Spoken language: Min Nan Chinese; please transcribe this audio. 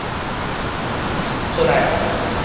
出來矣